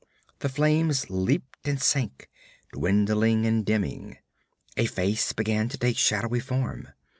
The flames leaped and sank, dwindling and dimming. A face began to take shadowy form.